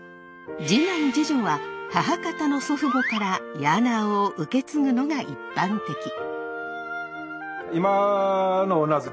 次男次女は母方の祖父母からヤーナーを受け継ぐのが一般的。